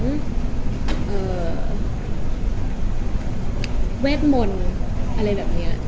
เวทมนต์อะไรแบบนี้